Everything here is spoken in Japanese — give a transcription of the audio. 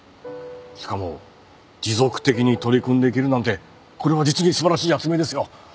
しかも持続的に取り組んでいけるなんてこれは実に素晴らしい発明ですよ。